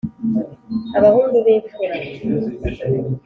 abahungu b’imfura